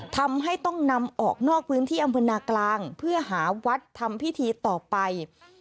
ทำให้ต้องนำออกนอกพื้นที่อำเภอนากลางเพื่อหาวัดทำพิธีต่อไป